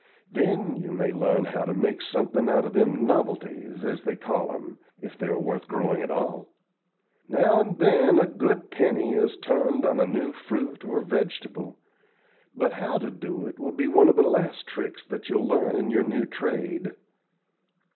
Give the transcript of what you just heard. Then you may learn how to make something out of them novelties, as they call 'em, if they are worth growing at all. Now and then a good penny is turned on a new fruit or vegetable; but how to do it will be one of the last tricks that you'll learn in your new trade.